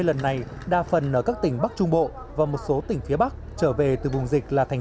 lần này đa phần ở các tỉnh bắc trung bộ và một số tỉnh phía bắc trở về từ vùng dịch là thành